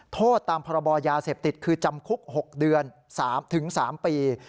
โทษตามพรบยาเสพติดคือจำคุก๖เดือน๓๓ปี